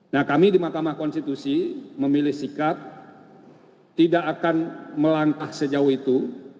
nah kami di mahkamah konstitusi memilih sikap tidak akan melangkah sejauh itu